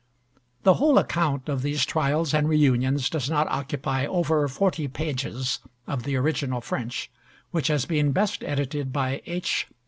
The whole account of these trials and reunions does not occupy over forty pages of the original French, which has been best edited by H.